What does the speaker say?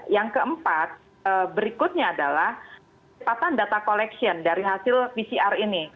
yang keempat berikutnya adalah cepatan data collection dari hasil pcr ini